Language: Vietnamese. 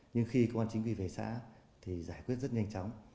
nhưng khi công an chính quy về xã thì giải quyết rất nhanh chóng